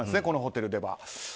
このホテルでは。